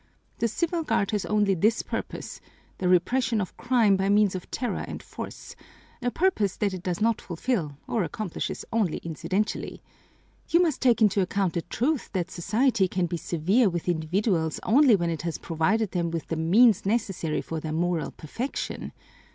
The Civil Guard has only this purpose: the repression of crime by means of terror and force, a purpose that it does not fulfil or accomplishes only incidentally. You must take into account the truth that society can be severe with individuals only when it has provided them with the means necessary for their moral perfection.